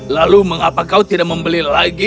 lalu mengapa kau tidak membeli lagi